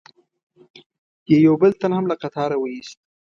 یې یو بل تن هم له قطاره و ایست.